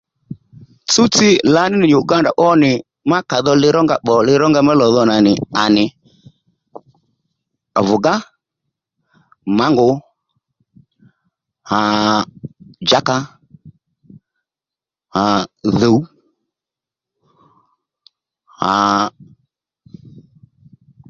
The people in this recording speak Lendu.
Tsúw tsi lǎní nì Uganda ó nì má ka dho lirónga bbò lirónga mí lo dho nì à nì àvògá, mangú aa jǎkà aa tdhùw aaa